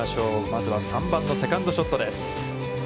まずは３番のセカンドショットです。